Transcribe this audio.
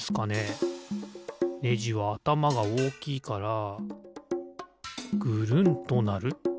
ネジはあたまがおおきいからぐるんとなる。